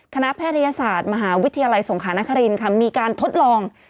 แพทยศาสตร์มหาวิทยาลัยสงขานครินค่ะมีการทดลอง